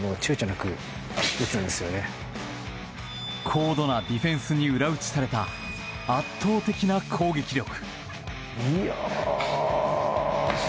高度なディフェンスに裏打ちされた、圧倒的な攻撃力。